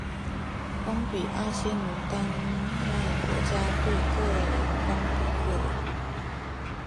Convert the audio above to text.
邦比阿仙奴丹麦国家队个人邦比个人